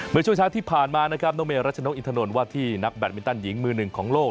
เมื่อช่วงเช้าที่ผ่านมานะครับน้องเมรัชนกอินทนนท์ว่าที่นักแบตมินตันหญิงมือหนึ่งของโลก